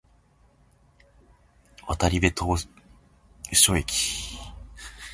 渡島当別駅